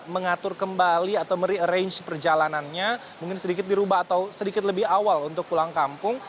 mengatur kembali atau mere arrange perjalanannya mungkin sedikit dirubah atau sedikit lebih awal untuk pulang kampung